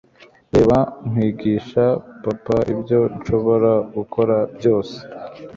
reba nkwigisha papa ibyo nshobora gukora byose